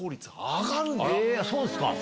そうですか。